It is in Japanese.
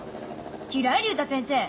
嫌い竜太先生。